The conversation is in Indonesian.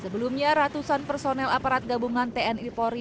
sebelumnya ratusan personel aparat gabungan tni polri